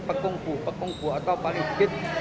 pekungfu atau paling sedikit